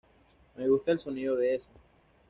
Me gusta el sonido de eso".